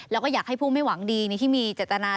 แล้วก็อยากให้ผู้ไม่หวังดีในที่มีเจตนา